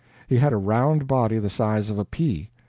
He had a round body the size of a pea.